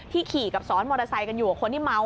ขี่กับซ้อนมอเตอร์ไซค์กันอยู่กับคนที่เมา